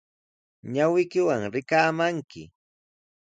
Ñawiykiwan rikaamanki